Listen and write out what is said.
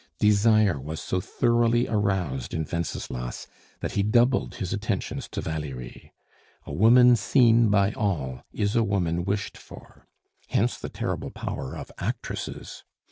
Desire was so thoroughly aroused in Wenceslas that he doubled his attentions to Valerie. A woman seen by all is a woman wished for. Hence the terrible power of actresses.